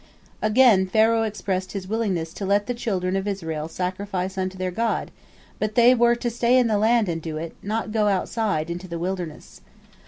Again Pharaoh expressed his willingness to let the children of Israel sacrifice unto their God, but they were to stay in the land and do it, not go outside, into the wilderness.